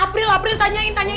april april tanyain tanyain